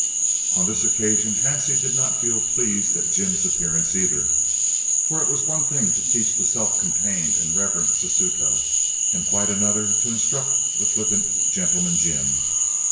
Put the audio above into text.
On this occasion Hansie did not feel pleased at "Jim's" appearance either, for it was one thing to teach the self contained and reverent Sesuto, and quite another to instruct the flippant "Gentleman Jim."